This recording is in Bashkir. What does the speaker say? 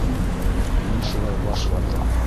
Мин шулай баш ватам.